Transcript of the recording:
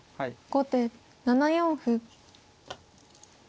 後手７四歩。